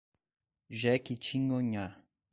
Jequitinhonha